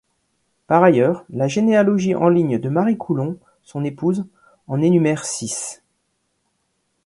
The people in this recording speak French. Par ailleurs, la généalogie en ligne de Marie Coulon, son épouse, en énumère six.